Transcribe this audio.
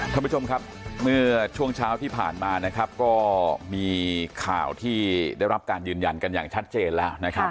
ท่านผู้ชมครับเมื่อช่วงเช้าที่ผ่านมานะครับก็มีข่าวที่ได้รับการยืนยันกันอย่างชัดเจนแล้วนะครับ